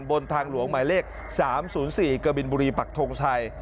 บนทางหลวงหมายเลข๓๐๔กบินบุรีปักทงชัย